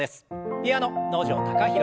ピアノ能條貴大さん。